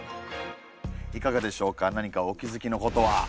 いかがでしょうか何かお気付きのことは？